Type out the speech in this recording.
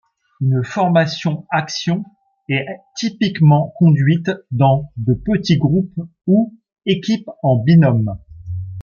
Une formation-action est typiquement conduite dans de petits groupes ou équipes en binôme.